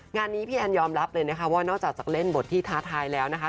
งานนี้พี่แอนยอมรับเลยนะคะว่านอกจากจะเล่นบทที่ท้าทายแล้วนะคะ